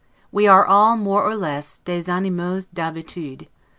We are all, more or less, 'des animaux d'habitude'.